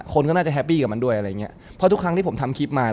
คนก็น่าจะดูดันด้วย